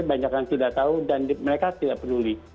banyak yang tidak tahu dan mereka tidak peduli